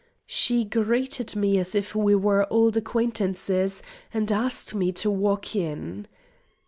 She greeted me as if we were old acquaintances, and asked me to walk in.